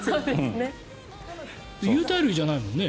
有袋類じゃないもんね。